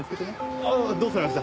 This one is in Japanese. ああどうされました？